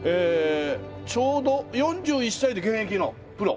ちょうど４１歳で現役のプロ？